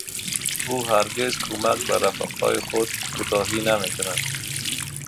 او هرگز کمک به رفقای خود کوتاهی نمیکند.